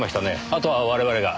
あとは我々が。